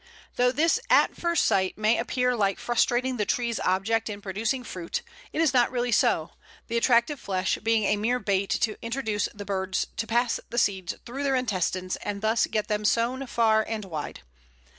Though this at first sight may appear like frustrating the tree's object in producing fruit, it is not really so, the attractive flesh being a mere bait to induce the birds to pass the seeds through their intestines, and thus get them sown far and wide.